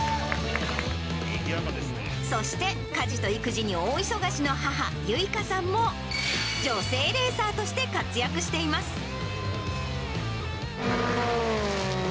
そして家事と育児に大忙しの母、由衣花さんも女性レーサーとして活躍しています。